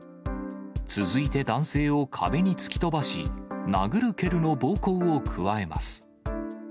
続いて男性を壁に突き飛ばし、殴る蹴るの暴行を加えます。